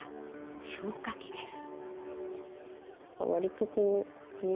消化器です。